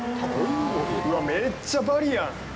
うわ、めっちゃバリやん。